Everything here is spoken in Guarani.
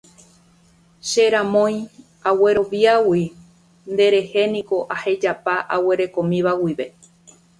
Che ramói, agueroviágui nderehe niko ahejapa aguerekomíva guive.